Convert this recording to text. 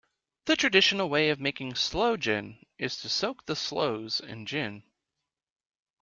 The traditional way of making sloe gin is to soak the sloes in gin.